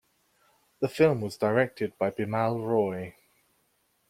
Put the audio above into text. The film was directed by Bimal Roy.